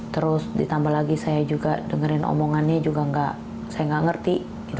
terus ditambah lagi saya juga dengerin omongannya juga saya nggak ngerti